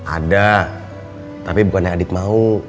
ada tapi bukan yang adik mau